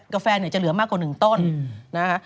กาแฟเนี่ยจะเหลือมากกว่าหนึ่งต้นนะฮะ